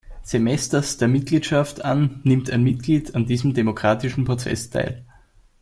Semesters der Mitgliedschaft an nimmt ein Mitglied an diesem demokratischen Prozess teil.